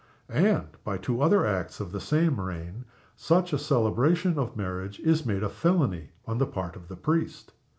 And by two other Acts of the same reign such a celebration of marriage is made a felony on the part of the priest.